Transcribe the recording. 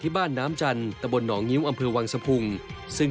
ที่บ้านน้ำจันทร์ตะบนหนองนิ้วอำเภอวังสะพุง